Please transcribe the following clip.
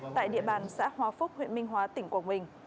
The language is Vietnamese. tại địa bàn xã hóa phúc huyện minh hóa tỉnh quảng bình